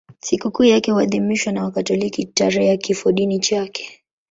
Sikukuu yake huadhimishwa na Wakatoliki tarehe ya kifodini chake.